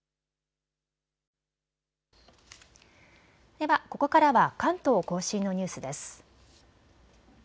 では、ここからは関東甲信のニュースです。